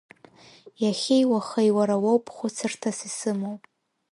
Иахьеи-уахеи уара уоуп хәыцырҭас исымоу.